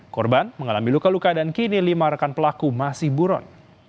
korban mengalami luka luka dan kini lima rekan pelaku masih buron